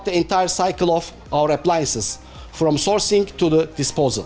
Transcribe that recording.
kami menilai keuntungan dari penyimpanan hingga penyimpanan